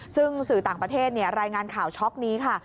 ซึ่งสื่อต่างประเทศรายงานข่าวช็อกนี้ค่ะ